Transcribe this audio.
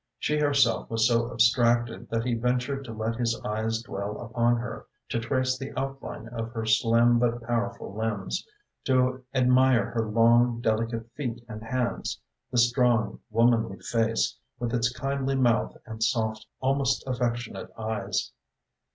She herself was so abstracted that he ventured to let his eyes dwell upon her, to trace the outline of her slim but powerful limbs, to admire her long, delicate feet and hands, the strong womanly face, with its kindly mouth and soft, almost affectionate eyes.